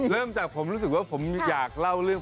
เริ่มจากผมรู้สึกว่าผมอยากเล่าเรื่อง